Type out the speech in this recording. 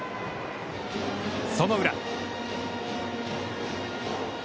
その裏。